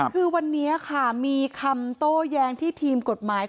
คือวันนี้ค่ะมีคำโต้แย้งที่ทีมกฎหมาย